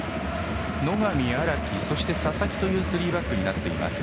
野上、荒木、佐々木というスリーバックになっています。